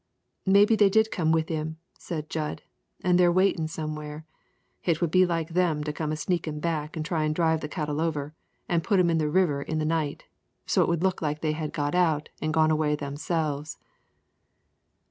"Maybe they did come with him," said Jud, "an' they're waitin' somewhere. It would be like 'em to come sneakin' back an' try to drive the cattle over, an' put 'em in the river in the night, so it would look like they had got out an' gone away themselves."